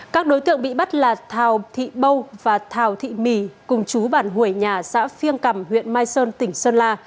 các đối tượng bị bắt là thảo thị bâu và thào thị mì cùng chú bản hủy nhà xã phiêng cầm huyện mai sơn tỉnh sơn la